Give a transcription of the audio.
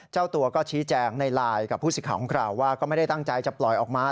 เจ้าตัวก็ชี้แจงในไลน์กับผู้สิทธิ์ของเราว่าก็ไม่ได้ตั้งใจจะปล่อยออกมา